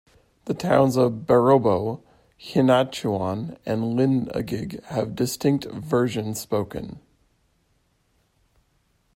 The towns of Barobo, Hinatuan, and Lingig has a distinct version spoken.